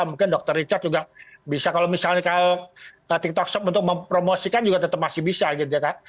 mungkin dokter richard juga bisa kalau misalnya tiktok shop untuk mempromosikan juga tetap masih bisa gitu ya kan